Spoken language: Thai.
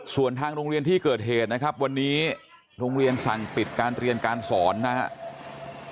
ส่วนทางโรงเรียนที่เกิดเหตุนะครับวันนี้โรงเรียนสั่งปิดการเรียนการสอนนะครับ